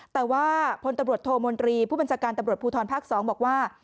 แต่ว่าพนตรวจโทรมนตรีผู้บรรจการตรวจยุทธทนภาคสองบอกว่า